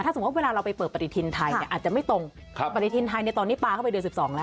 สมมุติเวลาเราไปเปิดปฏิทินไทยเนี่ยอาจจะไม่ตรงปฏิทินไทยในตอนนี้ปลาเข้าไปเดือน๑๒แล้ว